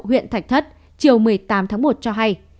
huyện thạch thất chiều một mươi tám tháng một cho hay